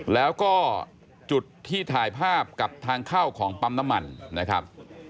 แล้วก็จุดที่ถ่ายภาพกับทางเข้าของปั๊มน้ำมันนะครับ